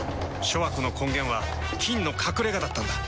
諸悪の根源は「菌の隠れ家」だったんだ。